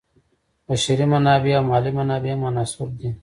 بشري منابع او مالي منابع هم عناصر دي.